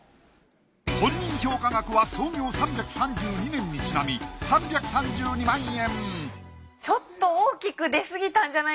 本人評価額は創業３３２年にちなみ３３２万円